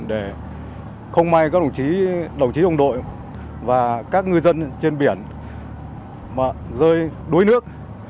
để không may các đồng chí đồng đội và các ngư dân trên biển rơi đuối nước